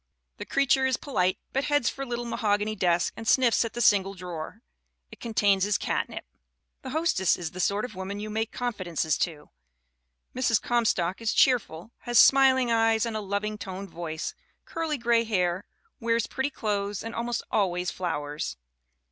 The creature is polite but heads for a little ma hogany desk and sniffs at the single drawer. It con tains his catnip. The hostess is the sort of woman you make confi dences to. Mrs. Comstock is cheerful, "has smiling eyes, a loving toned voice, curly gray hair, wears pretty clothes and almost always flowers.